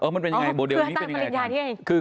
มันเป็นยังไงโหวตเดียวนี้เป็นยังไงครับ